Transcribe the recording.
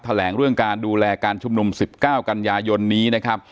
แถลงเรื่องการดูแลการชุมนุม๑๙กันยายนนี้นะครับ